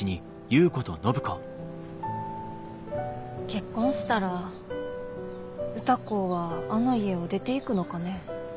結婚したら歌子はあの家を出ていくのかね？